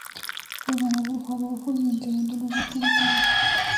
El ganador fue Adolfo y en segundo lugar quedó Carlos.